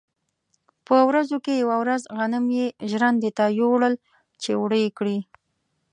په ورځو کې یوه ورځ غنم یې ژرندې ته یووړل چې اوړه کړي.